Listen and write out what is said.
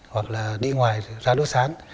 hoặc là đi ngoài ra đốt sán